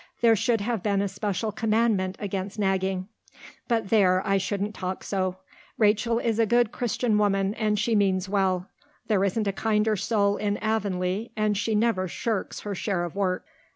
There should have been a special commandment against nagging. But there, I shouldn't talk so. Rachel is a good Christian woman and she means well. There isn't a kinder soul in Avonlea and she never shirks her share of work."